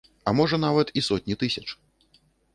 А можа, нават і сотні тысяч.